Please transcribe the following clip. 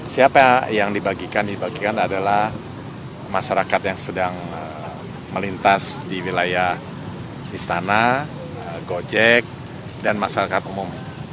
siapa yang dibagikan dibagikan adalah masyarakat yang sedang melintas di wilayah istana gojek dan masyarakat umum